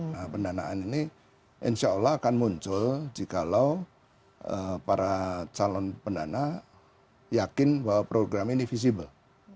nah pendanaan ini insya allah akan muncul jikalau para calon pendana yakin bahwa program ini visible